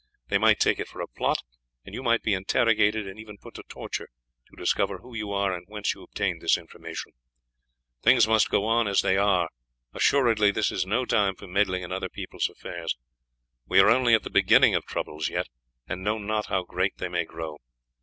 They might take it for a plot, and you might be interrogated and even put to torture to discover who you are and whence you obtained this information. Things must go on as they are; assuredly this is no time for meddling in other people's affairs. We are only at the beginning of troubles yet, and know not how great they may grow.